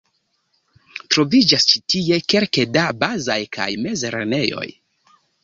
Troviĝas ĉi tie kelke da bazaj kaj mezlernejoj.